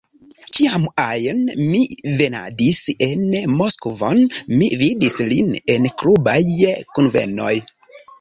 Kiam ajn mi venadis en Moskvon, mi vidis lin en klubaj kunvenoj.